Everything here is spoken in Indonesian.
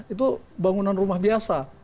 itu bangunan rumah biasa